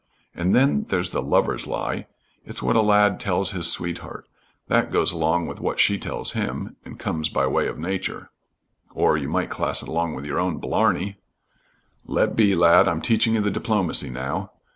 And then there's the lover's lie, it's what a lad tells his sweetheart that goes along with what she tells him and comes by way of nature " "Or you might class it along with your own blarney." "Let be, lad. I'm teaching you the diplomacy, now.